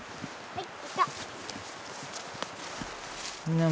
はい！